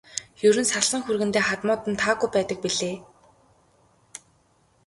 Ер нь салсан хүргэндээ хадмууд нь таагүй байдаг билээ.